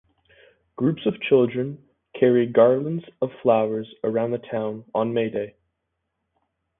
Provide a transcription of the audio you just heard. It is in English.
Groups of children carry garlands of flowers about the town on May Day.